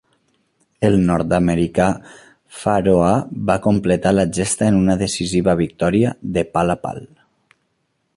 El nord-americà Pharoah va completar la gesta en una decisiva victòria de pal a pal.